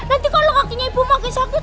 nanti kalau kakinya ibu makin sakit